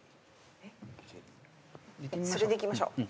それでいきましょう。